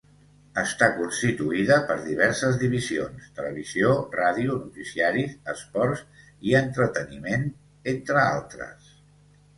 Està constituïda per diverses divisions: televisió, ràdio, noticiaris, esports i entreteniments, entre altres.